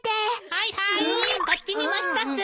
はいはいこっちにも１つ。